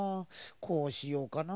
こうしようかな？